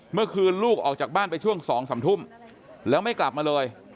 เมื่อคืนลูกออกจากบ้านไปช่วง๒๓ทุ่มแล้วไม่กลับมาเลย